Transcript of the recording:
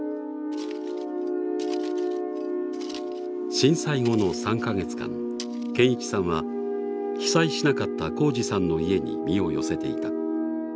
震災後の３か月間堅一さんは被災しなかった公二さんの家に身を寄せていた。